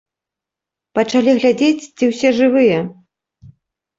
Пачалі глядзець, ці ўсе жывыя.